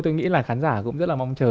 tôi nghĩ là khán giả cũng rất là mong chờ